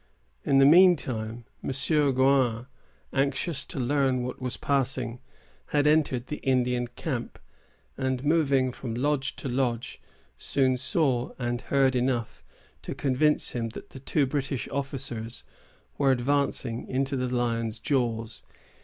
In the mean time, M. Gouin, anxious to learn what was passing, had entered the Indian camp, and, moving from lodge to lodge, soon saw and heard enough to convince him that the two British officers were advancing into the lion's jaws.